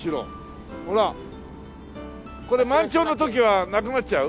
これ満潮の時はなくなっちゃう？